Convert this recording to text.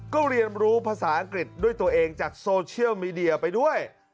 ก็เรียนรู้ภาษาอังกฤษด้วยตัวเองจากโซเชียลมีเดียไปด้วย